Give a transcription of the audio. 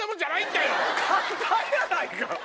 簡単やないか！